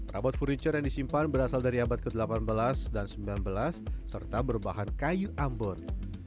robot furniture yang disimpan berasal dari abad ke delapan belas dan ke sembilan belas serta berbahan kayu ambon